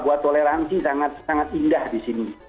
buat toleransi sangat sangat indah di sini